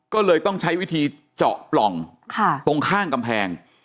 ก็เลยต้องใช้วิธีเจาะปล่องตรงข้างกำแพง